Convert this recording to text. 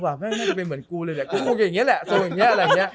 ไอ้คู่แรกเนี่ย